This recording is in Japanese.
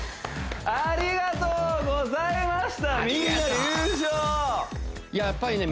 ありがとうございましたやっぱりね